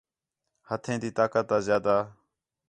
ہتھیں تی طاقت آ زیادہ